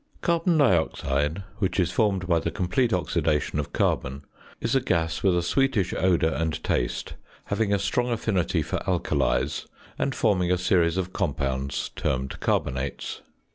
Carbon dioxide, which is formed by the complete oxidation of carbon, is a gas with a sweetish odour and taste, having a strong affinity for alkalies, and forming a series of compounds termed carbonates.